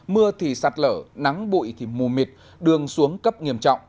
mưa thì sạt lở nắng bụi thì mù mịt đường xuống cấp nghiêm trọng